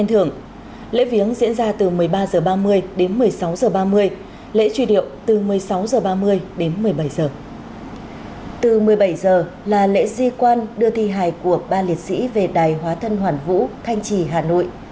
từ một mươi bảy h là lễ di quan đưa thi hài của ba liệt sĩ về đài hóa thân hoàn vũ thanh trì hà nội